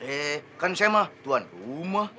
eh kan saya mah tuan rumah